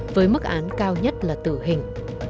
với mức án cao nhất là tử hình